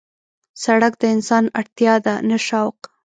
سړک د انسان اړتیا ده نه شوق.